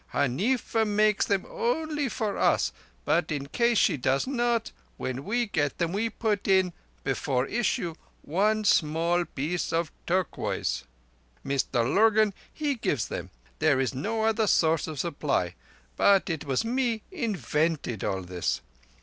Huneefa makes them onlee for us, but in case she does not, when we get them we put in, before issue, one small piece of turquoise. Mr Lurgan he gives them. There is no other source of supply; but it was me invented all this.